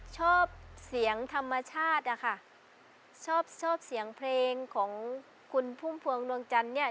ชอบเสียงธรรมชาติชอบเสียงเพลงของคุณพุ่มพวงดวงจันทร์